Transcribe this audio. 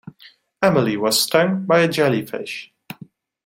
Emily was stung by a jellyfish.